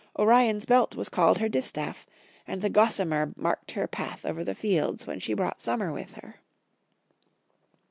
Orion's belt was called her distaff, and the gossamer marked her path over the fields when she brought summer with her.